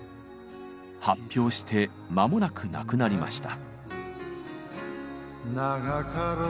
発表して間もなく亡くなりました。